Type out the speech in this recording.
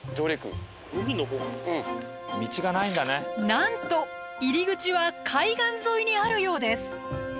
なんと入り口は海岸沿いにあるようです。